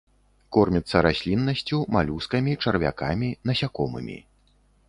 Корміцца расліннасцю, малюскамі, чарвякамі, насякомымі.